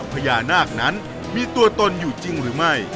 พญานาคนั้นมีตัวตนอยู่จริงหรือไม่